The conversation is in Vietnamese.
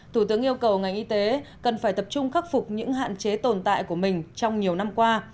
thủ tướng yêu cầu ngành y tế cần phải tập trung khắc phục những hạn chế tồn tại của mình trong nhiều năm qua